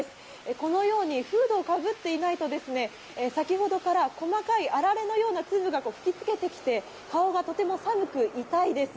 このようにフードをかぶっていないと、先ほから細かいあられのような粒が吹きつけてきて、顔がとても寒く痛いです。